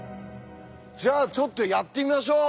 じゃあちょっとやってみましょう！